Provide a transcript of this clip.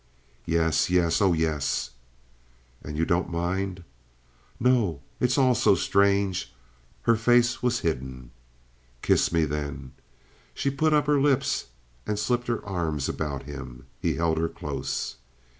"Yes, yes—oh yes!" "And you don't mind?" "No. It's all so strange." Her face was hidden. "Kiss me, then." She put up her lips and slipped her arms about him. He held her close.